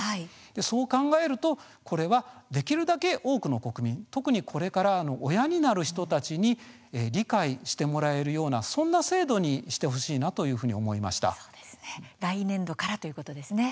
そう考えるとこれは、できるだけ多くの国民特に、これから親になる人たちに理解してもらえるようなそんな制度にしてほしいなと来年度からということですね。